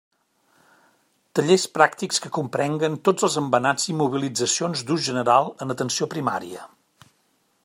Tallers pràctics que comprenguen tots els embenats i immobilitzacions d'ús general en atenció primària.